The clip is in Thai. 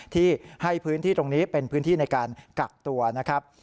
ที่ให้พื้นที่ตรงนี้เป็นพื้นที่ในการกักตัวนะครับ